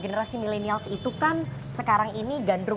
generasi milenials itu kan sekarang ini gandrung